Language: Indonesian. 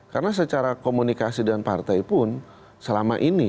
karena secara komunikasi dengan partai pun selama ini ya